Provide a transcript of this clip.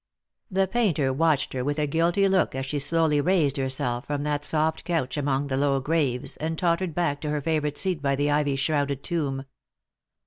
" The painter watched her with a guilty look as «he slowly Lost for Love. 323 raised herself from that soft couch among the low graves, and tottered back to her favourite seat by the ivy shrouded tomb.